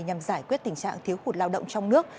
nhằm giải quyết tình trạng thiếu hụt lao động trong nước